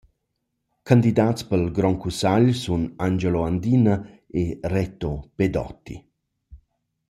Candidats pel grond cussagl sun Angelo Andina e Reto Pedotti.